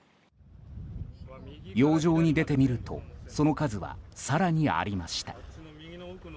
洋上に出てみるとその数は更にありました。